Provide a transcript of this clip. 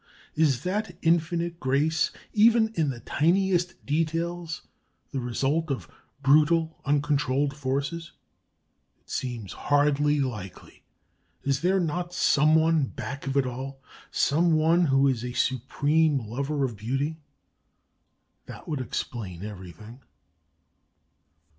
Is that infinite grace, even in the tiniest details, the result of brutal, uncontrolled forces? It seems hardly likely. Is there not Some One back of it all, Some One who is a supreme lover of beauty? That would explain everything.